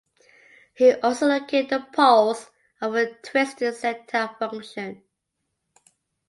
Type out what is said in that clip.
He also located the poles of the twisted zeta function.